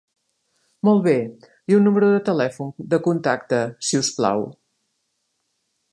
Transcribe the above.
Molt bé, i un número de telèfon de contacte, si us plau?